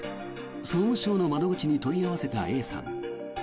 総務省の窓口に問い合わせたＡさん。